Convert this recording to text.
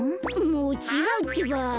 もうちがうってば。